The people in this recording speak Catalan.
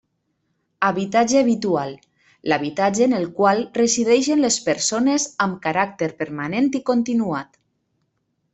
Habitatge habitual: l'habitatge en el qual resideixen les persones amb caràcter permanent i continuat.